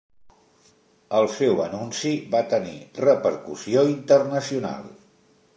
El seu anunci va tenir repercussió internacional.